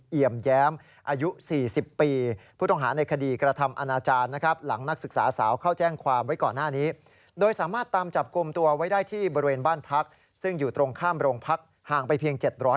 เอี่ยมแย้มอายุ๔๐ปี